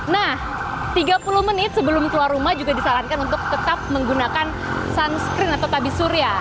nah tiga puluh menit sebelum keluar rumah juga disarankan untuk tetap menggunakan sunscreen atau tabi surya